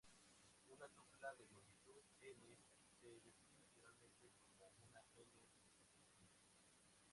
Una tupla de longitud "n" se describe generalmente como una "n"-tupla.